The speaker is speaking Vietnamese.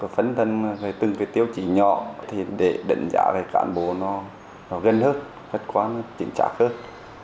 phấn thân về từng cái tiêu chí nhỏ thì để đánh giá về cán bộ nó gần hơn hết quá nó chính trạng hơn